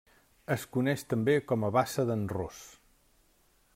Es coneix també com a Bassa d'en Ros.